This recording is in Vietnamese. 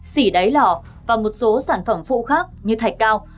xỉ đáy lò và một số sản phẩm phụ khác như thạch cao